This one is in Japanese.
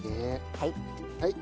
はい。